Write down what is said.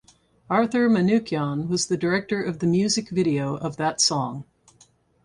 Arthur Manukyan was the director of the music video of that song.